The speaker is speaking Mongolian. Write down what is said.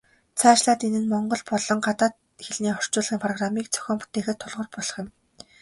Цаашлаад энэ нь монгол болон гадаад хэлний орчуулгын программыг зохион бүтээхэд тулгуур болох юм.